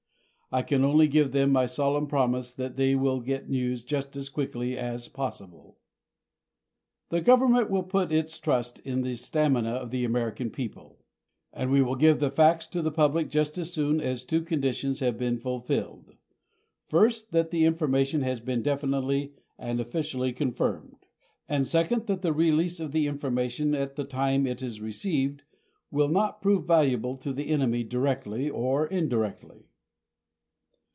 I can only give them my solemn promise that they will get news just as quickly as possible. This government will put its trust in the stamina of the American people, and will give the facts to the public just as soon as two conditions have been fulfilled: first, that the information has been definitely and officially confirmed; and, second, that the release of the information at the time it is received will not prove valuable to the enemy directly or indirectly.